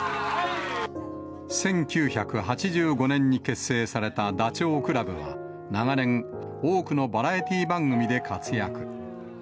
１９８５年に結成されたダチョウ倶楽部は、長年、多くのバラエティー番組で活躍。